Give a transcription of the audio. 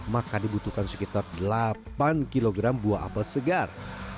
maka dibutuhkan sekitar delapan kg buah apel segar